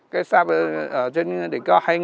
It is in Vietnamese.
cây sạp ở trên đỉnh cao